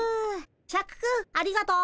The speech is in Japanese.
シャクくんありがとう。